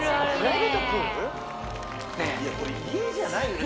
いやこれ家じゃないよね。